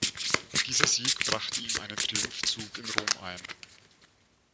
Dieser Sieg brachte ihm einen Triumphzug in Rom ein.